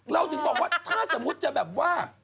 เราถึงบอกว่าถ้าสมมุติจะแบบว่า